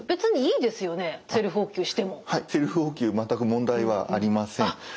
はいセルフお灸全く問題はありません。